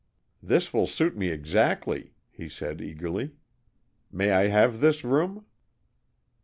"This will suit me exactly," he said, eagerly. "May I have this room?"